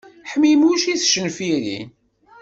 Ḥmimuc i tcenfirin.